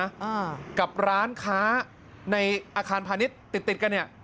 อ่ากับร้านค้าในอาคารพาณิชย์ติดติดกันเนี่ย